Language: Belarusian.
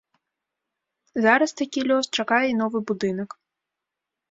Зараз такі лёс чакае і новы будынак.